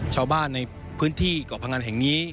ชาวบ้านในพื้นที่เกาะพงันแห่งนี้